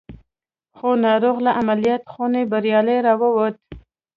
خو ناروغ له عملیات خونې بریالی را وووت